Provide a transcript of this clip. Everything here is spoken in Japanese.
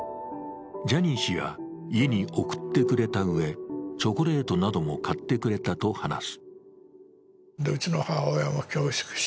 ジャニー氏は家に送ってくれたうえにチョコレートなども買ってくれたと話す。